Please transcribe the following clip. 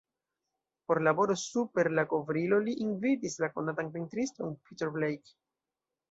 Por laboro super la kovrilo li invitis la konatan pentriston Peter Blake.